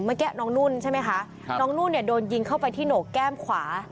เมื่อกี้น้องนุ่นใช่ไหมคะน้องนุ่นเนี่ยโดนยิงเข้าไปที่โหนกแก้มขวา